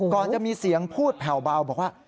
ก่อนจะมีเสียงพูดแผ่วเบาบอกว่า